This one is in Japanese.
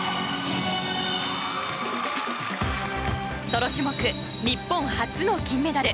ソロ種目、日本初の金メダル。